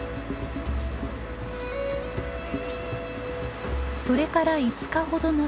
それから５日ほど後。